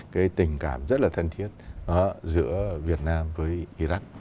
cái tình cảm rất là thân thiết giữa việt nam với iraq